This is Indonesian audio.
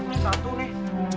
tahu nih anaknya satu nih